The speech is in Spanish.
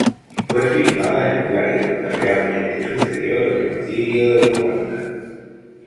Fue filmada en lugares donde realmente sucedió el genocidio de Ruanda.